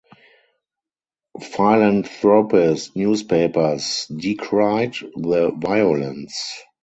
Philanthropist newspapers decried the violence.